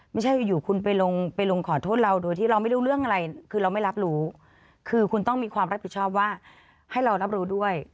ไม่ใช่อยู่คุณไปลงไปลงขอโทษเราโดยที่เราไม่รู้เรื่องอะไรคือเราไม่รับรู้คือคุณต้องมีความรับผิดชอบว่าให้เรารับรู้ด้วย